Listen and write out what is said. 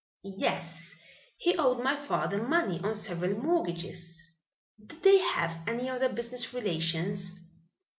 "Yes, he owed my father money on several mortgages." "Did they have any other business relations?"